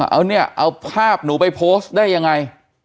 เอาเนี่ยเอาภาพหนูไปโพสต์ได้ยังไง